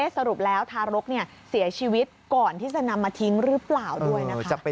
สรุปแล้วทารกเสียชีวิตก่อนที่จะนำมาทิ้งหรือเปล่าด้วยนะคะ